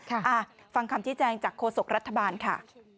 ค่ะอ่าฟังคำที่แจงจากโคศกรัฐบาลค่ะ